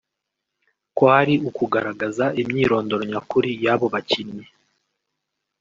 kwari ukugaragaza imyirondoro nyakuri y’abo bakinnyi